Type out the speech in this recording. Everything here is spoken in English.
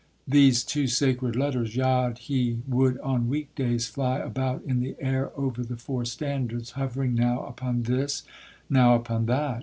These two sacred letters, Yod, He, would on week days fly about in the air over the four standards, hovering now upon this, now upon that.